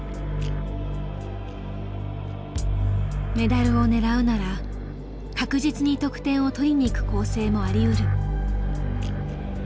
メダルを狙うなら確実に得点をとりにいく構成もありうる。